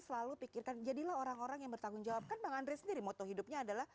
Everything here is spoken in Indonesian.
selalu pikirkan jadilah orang orang yang bertanggung jawab kan bang andre sendiri moto hidupnya adalah